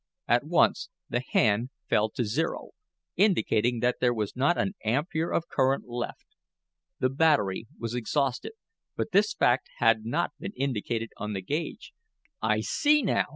At once the hand fell to zero, indicating that there was not an ampere of current left. The battery was exhausted, but this fact had not been indicated on the gauge. "I see now!"